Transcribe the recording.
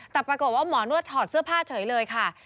แต่ปรากฏว่าหมอนวดถอดเสื้อผ้าเฉยเลยค่ะ